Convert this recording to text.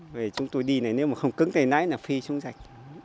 vì chúng tôi đi này nếu mà không cứng tầy nãy là phi xuống dạch